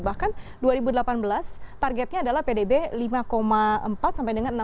bahkan dua ribu delapan belas targetnya adalah pdb lima empat sampai dengan enam